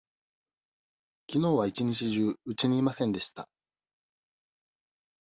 きのうは一日中うちにいませんでした。